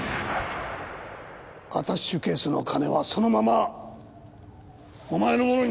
アタッシェケースの金はそのままお前のものになったんだな？